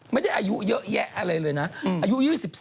ไม่ได้อายุเยอะแยะอะไรเลยนะอายุ๒๒